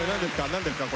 何ですか？